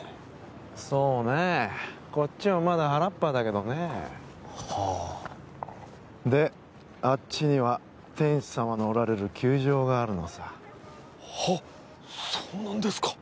そうねえこっちはまだ原っぱだけどねはあであっちには天子さまのおられる宮城があるのさはッそうなんですか